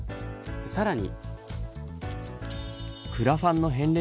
さらに。